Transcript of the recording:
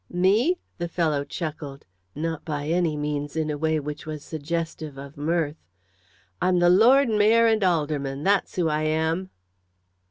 "Me?" The fellow chuckled not by any means in a way which was suggestive of mirth. "I'm the Lord Mayor and Aldermen that's who I am."